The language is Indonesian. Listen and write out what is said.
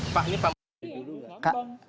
pak ini pak menteri dulu ya